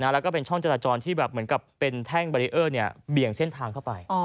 แล้วก็เป็นช่องจราจรที่แบบเหมือนกับเป็นแท่งบารีเออร์เบี่ยงเส้นทางเข้าไป